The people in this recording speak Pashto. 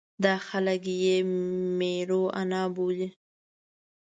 دا خلک یې مېروانا بولي.